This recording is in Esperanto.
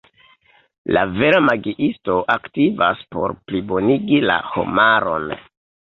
La vera magiisto aktivas por plibonigi la homaron.